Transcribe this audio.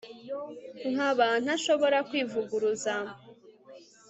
nkaba ntashobora kwivuguruza